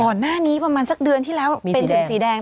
ก่อนหน้านี้ประมาณสักเดือนที่แล้วเป็นถึงสีแดง